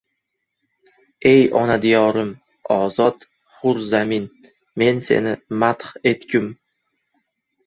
«Ey ona diyorim, ozod, hur zamin, men seni madh etgum.